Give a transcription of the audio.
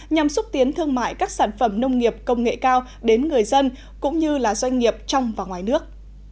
nhằm xúc tiến thương mại các sản phẩm nông nghiệp công nghệ cao đến người dân cũng như doanh nghiệp trong và ngoài nước